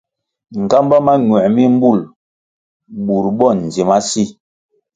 Nğámbá mañuer mi mbul bur bo ndzi ma si.